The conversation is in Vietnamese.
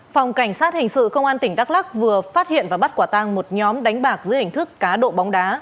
phòng cảnh sát hình sự công an tỉnh đắk lắc vừa phát hiện và bắt quả tang một nhóm đánh bạc dưới hình thức cá độ bóng đá